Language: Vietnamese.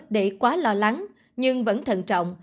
để quá lo lắng nhưng vẫn thận trọng